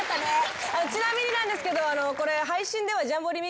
ちなみになんですけどこれ。